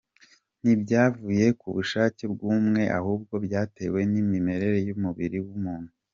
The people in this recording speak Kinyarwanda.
Ntibyavuye ku bushake bw’umwe ahubwo byatewe n’imimerere y’umubiri w’umuntu.